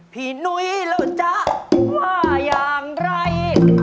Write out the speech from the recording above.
พี่หนุ้ยล่ะจ๊ะว่าอย่างไร